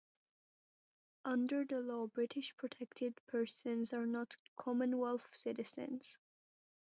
Under the law, British protected persons are not Commonwealth citizens.